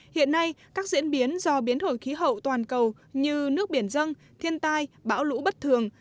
hiện nay các diễn biến do biến đổi khí hậu toàn cầu như nước biển dân thiên tai bão lũ bất thường